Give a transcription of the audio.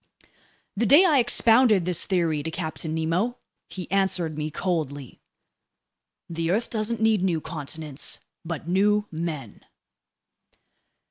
The day I expounded this theory to Captain Nemo, he answered me coldly: "The earth doesn't need new continents, but new men!"